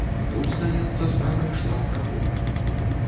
Тут, здаецца, справа ішла пра гонар.